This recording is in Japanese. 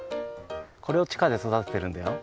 これをちかでそだててるんだよ。